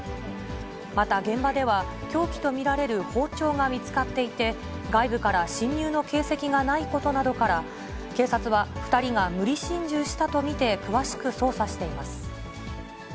また現場では、凶器と見られる包丁が見つかっていて、外部から侵入の形跡がないことなどから、警察は２人が無理心中したと見て詳しく捜査しています。